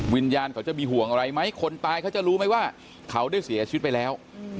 วิญญาณเขาจะมีห่วงอะไรไหมคนตายเขาจะรู้ไหมว่าเขาได้เสียชีวิตไปแล้ว